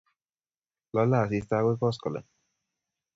Lolei asista agoi koskoleny